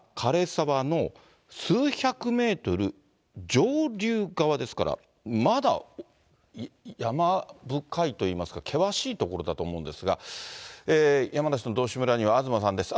沢の数百メートル上流側ですから、まだ山深いといいますか、険しい所だと思うんですが、山梨の道志村には、東さんです。